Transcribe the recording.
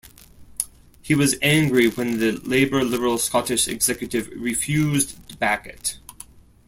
He was angry when the Labour-Liberal Scottish Executive refused to back it.